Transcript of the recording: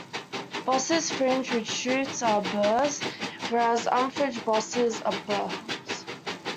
Bosses fringed with shoots are burrs, whereas unfringed bosses are burls.